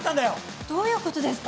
どういうことですか？